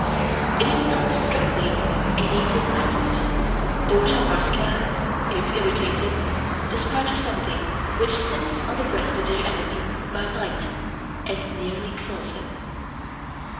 It is not strictly a native patent, though chamars can, if irritated, dispatch a Sending which sits on the breast of their enemy by night and nearly kills him.